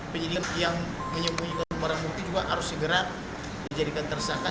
penyidik yang menyembunyikan barang bukti juga harus segera dijadikan tersangka